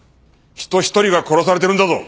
人ひとりが殺されてるんだぞ！